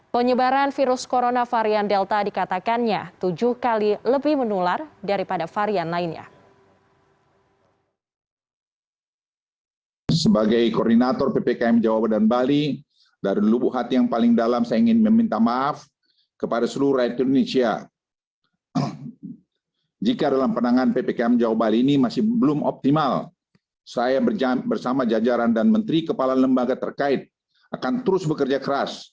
penyebaran virus corona varian delta dikatakannya tujuh kali lebih menular daripada varian lainnya